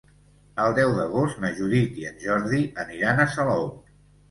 El deu d'agost na Judit i en Jordi aniran a Salou.